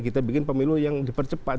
kita bikin pemilu yang dipercepat